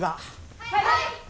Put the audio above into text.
はい！